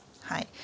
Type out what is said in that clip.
はい。